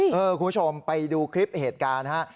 คุณผู้ชมไปดูคลิปเหตุการณ์ฮะ